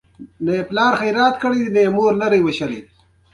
ازادي راډیو د اداري فساد په اړه د نقدي نظرونو کوربه وه.